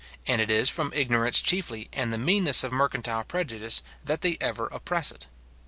}and it is from ignorance chiefly, and the meanness of mercantile prejudice, that they ever oppress it.